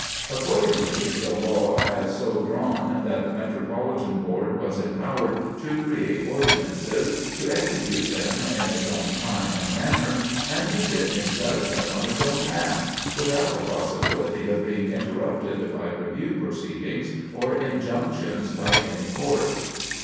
Accordingly the law as so drawn that the Metropolitan Board was empowered to create ordinances, to execute them in its own time and manner, and to sit in judgment on its own acts, without the possibility of being interrupted by review proceedings or injunctions by any court.